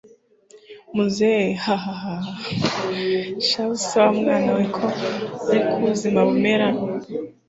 muzehe hahaha! shahu se wamwana we, ko ariko ubuzima bumera